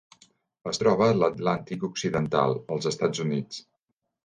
Es troba a l'Atlàntic occidental: els Estats Units.